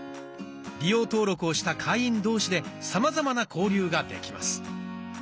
利用登録をした会員同士でさまざまな交流ができます。